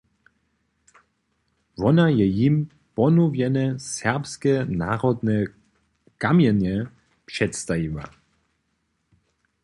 Wona je jim ponowjene serbske narowne kamjenje předstajiła.